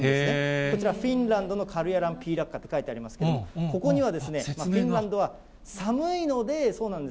こちら、フィンランドのカルヤラン・ピーラッカって書いてありますけれども、ここには、フィンランドは寒いので、そうなんです。